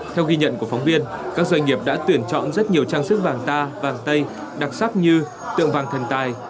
theo ghi nhận của phóng viên các doanh nghiệp đã tuyển chọn rất nhiều trang sức vàng ta vàng tây đặc sắc như tượng vàng thần tài